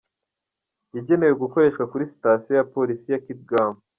Yagenewe gukoreshwa kuri sitasiyo ya polisi ya Kitgum.